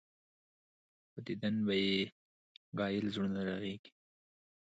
پۀ ديدن به ئې ګهائل زړونه رغيږي